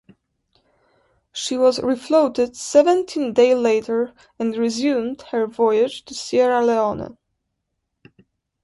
She was refloated seventeen day later and resumed her voyage to Sierra Leone.